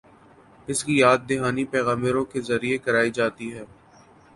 اس کی یاد دہانی پیغمبروں کے ذریعے کرائی جاتی ہے۔